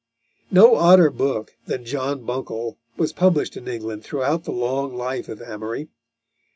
No odder book than John Buncle was published in England throughout the long life of Amory.